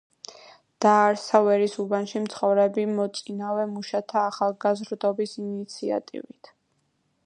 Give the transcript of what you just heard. დაარსდა ვერის უბანში მცხოვრები მოწინავე მუშა-ახალგაზრდობის ინიციატივით.